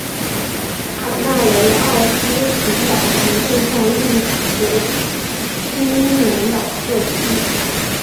卡纳雷奥斯群岛行政上隶属青年岛特区。